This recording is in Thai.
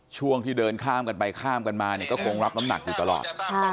ช่วงที่เดินข้ามกันไปข้ามกันมาเนี่ยก็คงรับน้ำหนักอยู่ตลอด